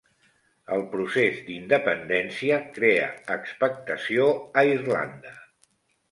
El procés d'independència crea expectació a Irlanda